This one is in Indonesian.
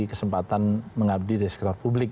kesempatan mengabdi di sekitar publik